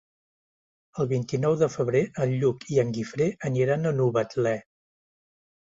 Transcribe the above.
El vint-i-nou de febrer en Lluc i en Guifré aniran a Novetlè.